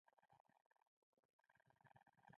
احمد وویل دا د سفینې لار نه ده.